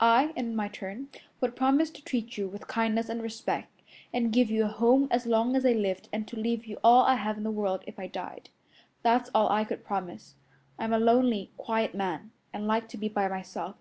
I, in my turn, would promise to treat you with kindness and respect, and give you a home as long as I lived and to leave you all I have in the world if I died. That's all I could promise. I'm a lonely, quiet man, and like to be by myself.